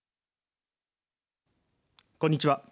こんにちは。